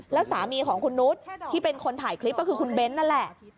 แล้วสามีของคุณนุษย์ที่เป็นคนถ่ายคลิปก็คือคุณเบ้นนั่นแหละ